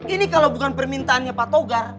ini kalau bukan permintaannya pak togar